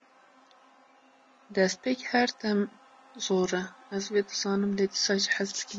Destpêk herdem zor e, ez vê dizanim lê dîsa jî hez dikim